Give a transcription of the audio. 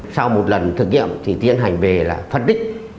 sau một lần thực nghiệm thì tiến hành về là phân tích